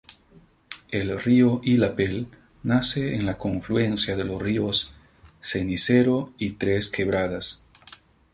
El río Illapel nace en la confluencia de los ríos Cenicero y Tres Quebradas.